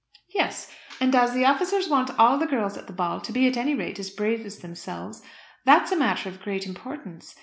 "Yes; and as the officers want all the girls at the ball to be at any rate as brave as themselves, that's a matter of great importance.